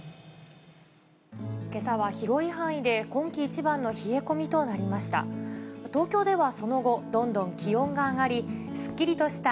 けさは広い範囲で今季一番の冷え込みとなりました。